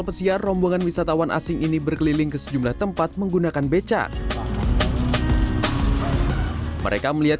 pesiar rombongan wisatawan asing ini berkeliling ke sejumlah tempat menggunakan becak mereka melihat